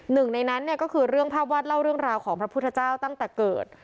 หนึ่งในนั้นเนี่ยก็คือเรื่องภาพวาดเล่าเรื่องราวของพระพุทธเจ้าตั้งแต่เกิด